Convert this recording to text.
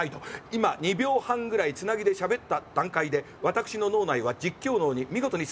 今２秒半ぐらいつなぎでしゃべった段階で私の脳内は実況脳に見事にスイッチしたわけであります。